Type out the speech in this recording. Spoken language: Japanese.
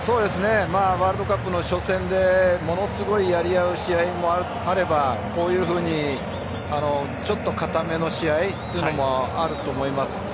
ワールドカップの初戦でものすごいやり合う試合もあればこういうふうにちょっと堅めの試合というのもあると思います。